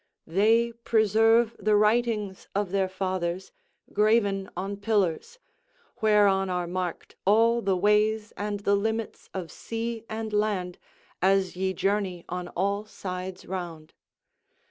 They preserve the writings of their fathers, graven on pillars, whereon are marked all the ways and the limits of sea and land as ye journey on all sides round.